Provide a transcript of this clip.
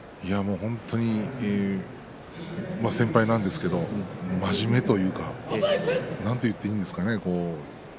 本当に先輩なんですけれども真面目というんですかなんといっていいんですかね